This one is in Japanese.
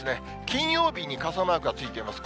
金曜日に傘マークがついています。